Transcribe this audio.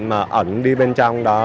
mà ẩn đi bên trong đó